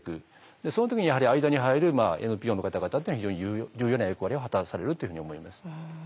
その時にやはり間に入るＮＰＯの方々っていうのは非常に重要な役割を果たされるというふうに思います。